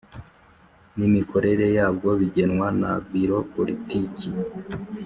N imikorere yabwo bigenwa na biro politiki